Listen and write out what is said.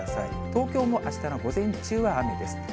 東京もあしたの午前中は雨です。